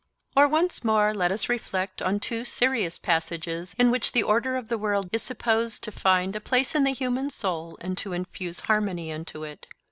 Or once more, let us reflect on two serious passages in which the order of the world is supposed to find a place in the human soul and to infuse harmony into it.